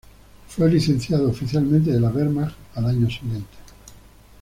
Fue licenciado oficialmente de la "Wehrmacht" al año siguiente.